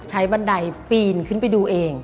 บันไดปีนขึ้นไปดูเอง